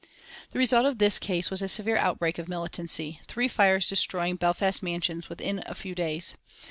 The result of this case was a severe outbreak of militancy, three fires destroying Belfast mansions within a few days.